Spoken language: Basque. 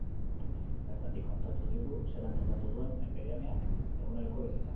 Bertatik kontatu digu zelan aldatu duen epidemiak eguneroko bizitza.